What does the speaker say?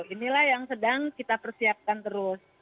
inilah yang sedang kita persiapkan terus